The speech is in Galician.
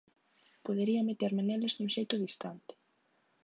Podería meterme neles dun xeito distante.